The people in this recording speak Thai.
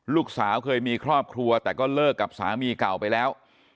ลูกสาวเคยมีครอบครัวแต่ก็เลิกกับสามีเก่าไปแล้ว